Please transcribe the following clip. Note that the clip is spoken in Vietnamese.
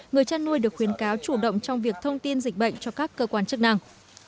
người chăn nuôi được khuyến cáo chủ động trong việc thông tin dịch bệnh cho các cơ quan chức năng